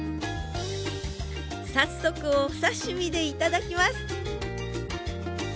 早速お刺身で頂きます！